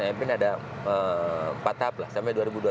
mef ini ada empat tahap lah sampai dua ribu dua puluh sembilan